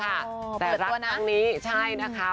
เปิดตัวนะแต่รักตั้งนี้ใช่นะคะ